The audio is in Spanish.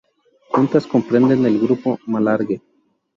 Juntas comprenden el Grupo Malargüe.